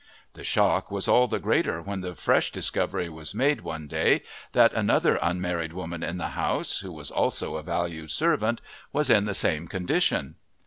The shock was all the greater when the fresh discovery was made one day that another unmarried woman in the house, who was also a valued servant, was in the same condition.